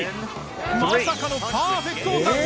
まさかのパーフェクトを達成！